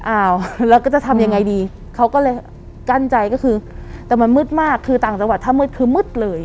อ้าวแล้วก็จะทำยังไงดีเขาก็เลยกั้นใจก็คือแต่มันมืดมากคือต่างจังหวัดถ้ามืดคือมืดเลย